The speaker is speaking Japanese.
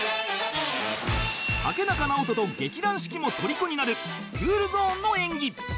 竹中直人と劇団四季も虜になるスクールゾーンの演技